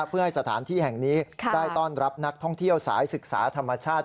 เพื่อให้สถานที่แห่งนี้ได้ต้อนรับนักท่องเที่ยวสายศึกษาธรรมชาติ